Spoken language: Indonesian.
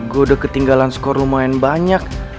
gue udah ketinggalan skor lumayan banyak